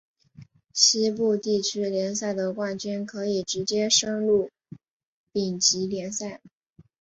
西部地区联赛的冠军可以直接升入丙级联赛。